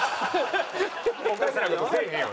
おかしな事せえへんよ。